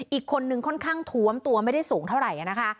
อีกคนนึงค่อนข้างถวมตัวไม่ได้สูงเท่าไหร่นะคะ